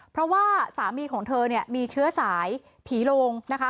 เพราะว่าสามีของเธอเนี่ยมีเชื้อสายผีโลงนะคะ